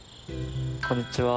こんにちは。